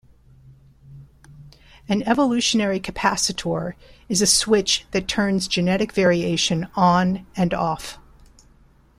An evolutionary capacitor is a switch that turns genetic variation on and off.